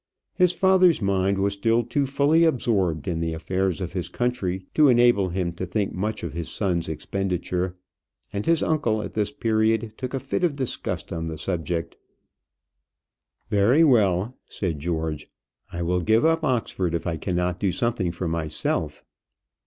His father's mind was still too fully absorbed in the affairs of his country to enable him to think much of his son's expenditure, and his uncle at this period took a fit of disgust on the subject. "Very well," said George, "I will give up Oxford if I cannot do something for myself."